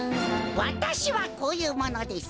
わたしはこういうものです。